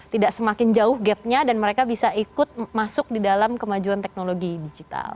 tidak semakin jauh gapnya dan mereka bisa ikut masuk di dalam kemajuan teknologi digital